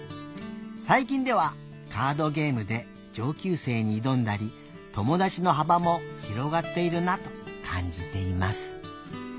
最近ではカードゲームで上級生に挑んだり友達の幅も広がっているなと感じています」。